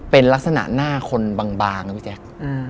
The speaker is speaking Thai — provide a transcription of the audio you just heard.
เป็นลักษณะหน้าคนบางนะพี่แจ๊ค